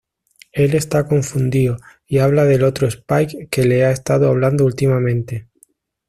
Él está confundido y habla del otro Spike que le ha estado hablando últimamente.